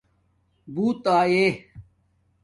بݸت آئے